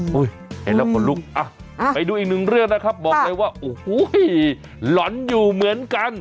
เห็นแล้วขนลุกอ่ะไปดูอีกหนึ่งเรื่องนะครับบอกเลยว่าโอ้โหหล่อนอยู่เหมือนกัน